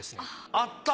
あった！